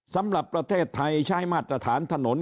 สำหรับประเทศไทยใช้มาตรฐานถนน